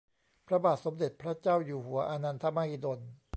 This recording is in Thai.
พระบาทสมเด็จพระเจ้าอยู่หัวอานันทมหิดล